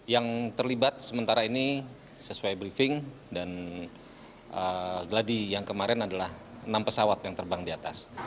yang terlibat sementara ini sesuai briefing dan gladi yang kemarin adalah enam pesawat yang terbang di atas